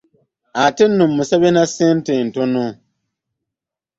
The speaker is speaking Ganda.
Ate nno amusabye na ssente ntono .